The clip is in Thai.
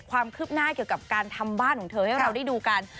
ความคืบหน้าเกี่ยวกับการทำบ้านของเธอให้เราได้ดูกัน